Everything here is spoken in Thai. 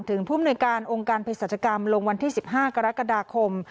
ถึงพุ่มหน่วยการองค์การพฤษฐกรรมลงวันที่๑๕กรกฎาคม